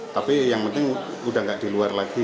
tapi yang penting sudah tidak diluar lagi